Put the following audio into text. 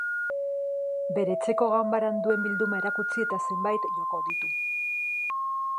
Bere etxeko ganbaran duen bilduma erakutsi eta zenbait joko ditu.